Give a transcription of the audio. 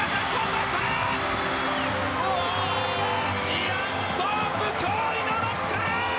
イアン・ソープ驚異の６冠！